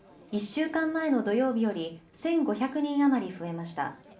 １週間前の土曜日より１５００人余り増えました。